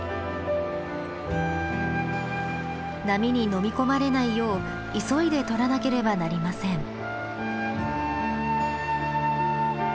波に飲み込まれないよう急いで採らなければなりません。